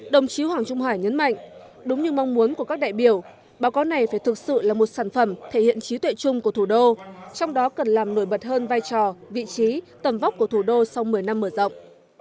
đồng chí hoàng trung hải nhấn mạnh đúng như mong muốn của các đại biểu báo cáo này phải thực sự là một sản phẩm thể hiện trí tuệ chung của thủ đô trong đó cần làm nổi bật hơn vai trò vị trí tầm vóc của thủ đô sau một mươi năm mở rộng